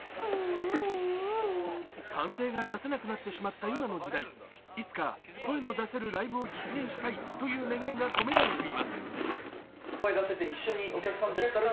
歓声が出せなくなってしまった今の時代いつか声の出せるライブを実現したいという願いが込められています。